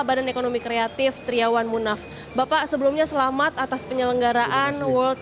badan ekonomi kreatif triawan munaf bapak sebelumnya selamat atas penyelenggaraan world